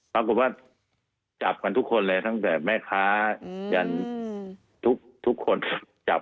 ปรากฏว่าจับกันทุกคนเลยตั้งแต่แม่ค้ายันทุกคนจับ